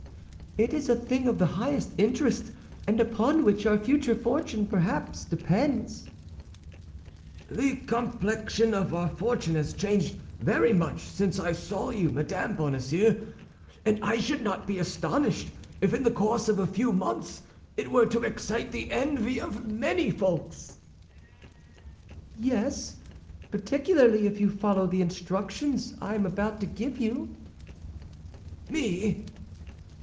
"It is a thing of the highest interest, and upon which our future fortune perhaps depends." "The complexion of our fortune has changed very much since I saw you, Madame Bonacieux, and I should not be astonished if in the course of a few months it were to excite the envy of many folks." "Yes, particularly if you follow the instructions I am about to give you." "Me?"